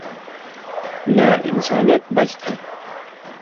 لہ انسانیت بچ دھر